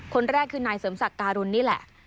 คนแรกคือนายเสริมศักดิ์การุณนี่แหละ